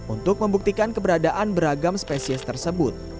untuk membuktikan keberadaan beragam spesies tersebut